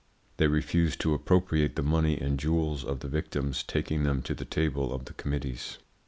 They refuse to appropriate the money and jewels of the victims, taking them to the table of the committees.